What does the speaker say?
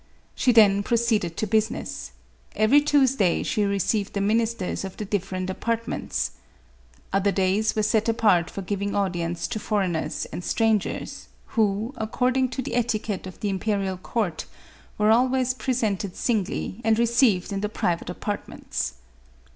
She then proceeded to business ; every Tues day she received the ministers of the different apart ments ; other days were set apart for giving audience to foreigners and strangers, who, according to the eti quette of the Imperial court, were always presented singly, and received in the private apartments.